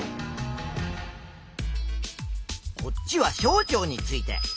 こっちは小腸について。